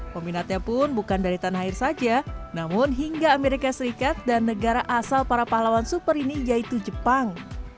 peminatnya pun bukan dari tanah air saja namun hingga amerika serikat dan negara asal para pahlawan super ini yaitu jepang